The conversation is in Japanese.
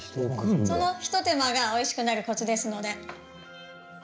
その一手間がおいしくなるコツですので。